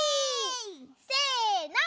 せの。